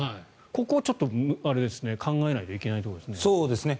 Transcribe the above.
ここ、考えないといけないところですね。